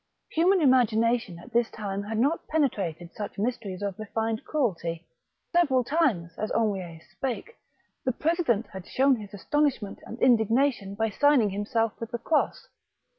Human imagination at this time had not penetrated such mysteries of refined cruelty. Several times, as Henriet spake, the president had shown his astonish ment and indignation by signing himself with the cross.